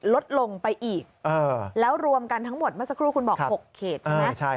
ลดลงไปอีกแล้วรวมกันทั้งหมดเมื่อสักครู่คุณบอก๖เขตใช่ไหม